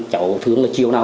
cháu thước là chiều nào